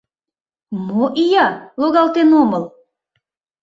— Мо ия, логалтен омыл!..